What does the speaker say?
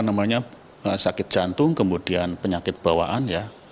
rata rata juga ada sakit jantung kemudian penyakit bawaan ya